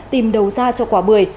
tìm đầu ra cho quả bưởi